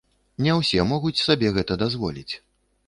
Не ўсе могуць сабе гэта дазволіць.